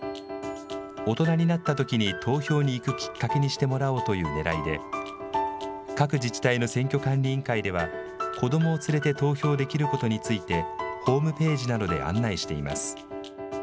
大人になったときに投票に行くきっかけにしてもらおうというねらいで各自治体の選挙管理委員会では子どもを連れて投票できることについてホームページなどで案内しています。